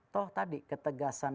toh tadi ketegasan